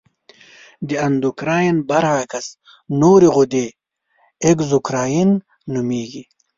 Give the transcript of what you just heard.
د اندورکراین برعکس نورې غدې اګزوکراین نومیږي.